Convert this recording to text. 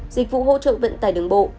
dịch vụ hỗ trợ vận tải đường bộ